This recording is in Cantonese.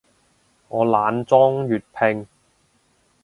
我懶裝粵拼